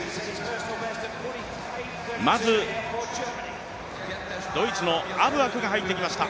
まずドイツのアブアクが入ってきました。